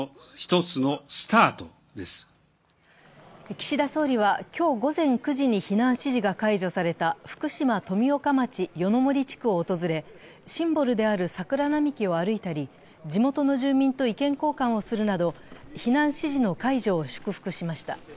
岸田総理は今日午前９時に避難指示が解除された福島・富岡町夜の森地区を訪れ、シンボルである桜並木を歩いたり地元の住民と意見交換をするなど避難指示の解除を祝福しました。